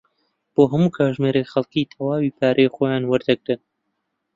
بۆ هەموو کاتژمێرێک خەڵکی تەواوی پارەی خۆیان وەردەگرن.